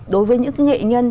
đối với những cái nghệ nhân